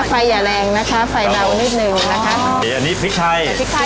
อย่าแรงนะคะไฟเบานิดนึงนะคะโอเคอันนี้พริกไทยพริกไทย